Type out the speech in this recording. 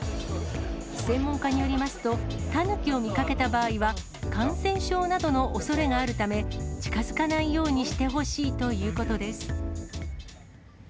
専門家によりますと、タヌキを見かけた場合は、感染症などのおそれがあるため、近づかないようにしてほしいということです。